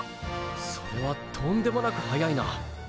それはとんでもなく速いな！